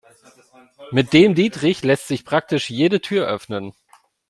Mit dem Dietrich lässt sich praktisch jede Tür öffnen.